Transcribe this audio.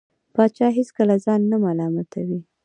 پاچا هېڅکله ځان نه ملامتوي .